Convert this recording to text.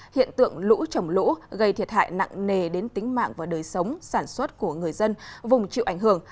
hiện tượng lũ trồng lũ gây thiệt hại nặng nề đến tính mạng và đời sống sản xuất của người dân vùng chịu ảnh hưởng